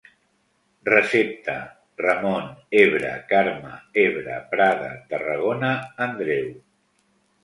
Recepta: Ramon, Ebre, Carme, Ebre, Prada, Tarragona, Andreu.